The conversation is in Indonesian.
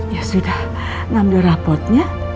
ya sudah namda rapatnya